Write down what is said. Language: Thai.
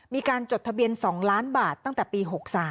จดทะเบียน๒ล้านบาทตั้งแต่ปี๖๓